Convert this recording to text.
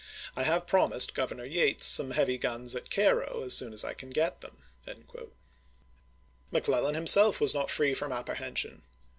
I have promised Governor Yates some heavy guns at Cairo as soon as I can get them. McClellan himself was not free from apprehen sion.